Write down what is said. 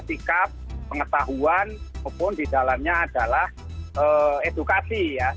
sikap pengetahuan maupun di dalamnya adalah edukasi ya